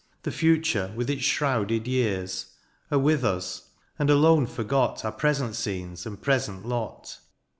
The future, with its shrouded years. Are with us, and alone forgot Are present scenes and present lot.